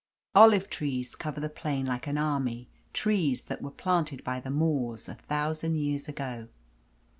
Olive trees cover the plain like an army, trees that were planted by the Moors a thousand years ago.